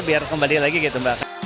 biar kembali lagi gitu